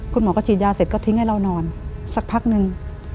คุณหมอก็ฉีดยาเสร็จก็ทิ้งให้เรานอนสักพักนึง